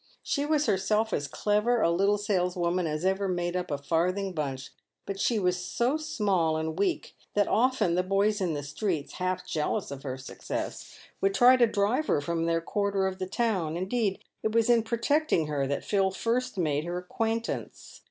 She was herself as clever a little saleswoman as ever made up a farthing bunch, but she was so small and weak that often the boys in the streets, half jealous of her success, would try to drive her from their quarter of the town — indeed it was in protecting her that Phil first made her acquaintance.